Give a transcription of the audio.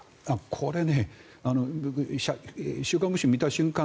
これ「週刊文春」を見た瞬間